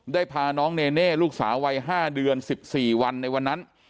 ได้พาน้องเนเน่ลูกสาวัยห้าเดือนสิบสี่วันในวันนั้น